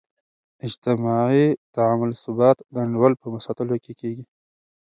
اجتماعي تعاملثبات د انډول په ساتلو کې کیږي.